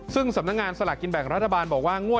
ซึ่งสำนักงานสลากกินแบ่งรัฐบาลบอกว่างวด